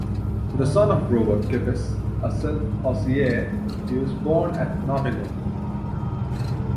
The son of Robert Kippis, a silk-hosier, he was born at Nottingham.